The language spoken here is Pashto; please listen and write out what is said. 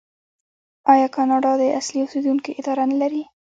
آیا کاناډا د اصلي اوسیدونکو اداره نلري؟